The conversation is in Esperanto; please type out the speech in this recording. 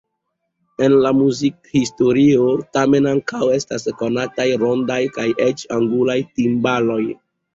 En la muzikhistorio tamen ankaŭ estas konataj rondaj kaj eĉ angulaj timbaloj.